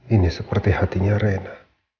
ini seperti hatinya reina